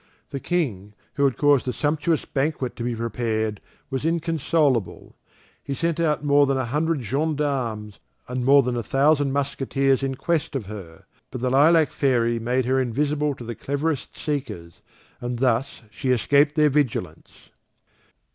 The King, who had caused a sumptuous banquet to be prepared, was inconsolable. He sent out more than a hundred gendarmes, and more than a thousand musketeers in quest of her; but the Lilac fairy made her invisible to the cleverest seekers, and thus she escaped their vigilance.